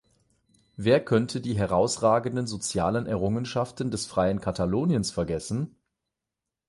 Wer könnte die herausragenden sozialen Errungenschaften des freien Kataloniens vergessen?